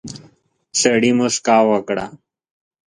سړي موسکا وکړه.